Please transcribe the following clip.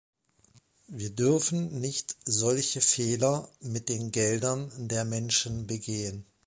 Wir dürfen nicht solche Fehler mit den Geldern der Menschen begehen.